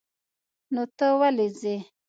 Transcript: نو ته ولې ځې؟